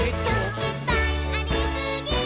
「いっぱいありすぎー！！」